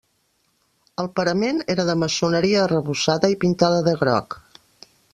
El parament era de maçoneria, arrebossada i pintada de groc.